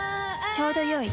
ちょうどよい。